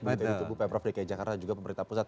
bagaimana itu bu pemprov dki jakarta juga pemerintah pusat